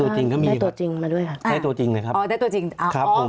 ได้ตัวจริงมาด้วยค่ะ